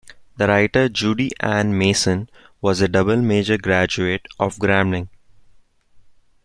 The writer Judi Ann Mason was a double major graduate of Grambling.